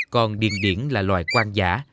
con điền điển là loài quan giả